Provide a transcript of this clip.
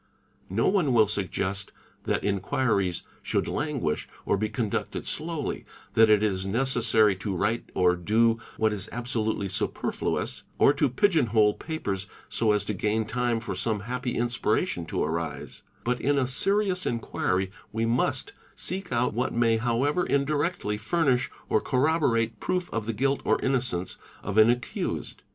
No one will suggest that inquiries should languish or be conducted slowly, that it is necessary to write or do what is absolutely superfluous, or to pigeon hole papers so as to gain time for some happy Mspiration to arise; but in a serious inquiry we must seek out what may owever indirectly furnish or corroborate proof of the guilt or innocence of an accused.